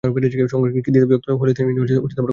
কংগ্রেস দ্বিধাবিভক্ত হলে তিনি কংগ্রেসে থেকে যান।